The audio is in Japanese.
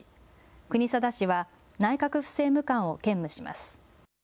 国定氏は内閣府政務官を兼務します。